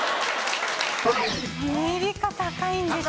アメリカ高いんですよ。